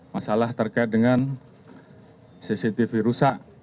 masalah terkait dengan cctv rusak